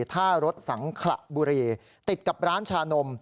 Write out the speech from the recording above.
ท่ารถสังขระบุรีติดกับร้านชานม